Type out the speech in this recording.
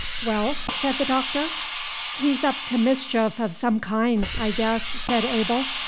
"Well?" said the Doctor. "He's up to mischief o' some kind, I guess," said Abel.